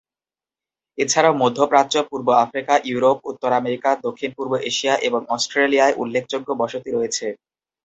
এছাড়াও মধ্য প্রাচ্য, পূর্ব আফ্রিকা, ইউরোপ, উত্তর আমেরিকা, দক্ষিণ পূর্ব এশিয়া এবং অস্ট্রেলিয়ায় উল্লেখযোগ্য বসতি রয়েছে।